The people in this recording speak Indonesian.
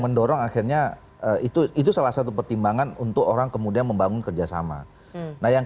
mendorong akhirnya itu itu salah satu pertimbangan untuk orang kemudian membangun kerjasama nah yang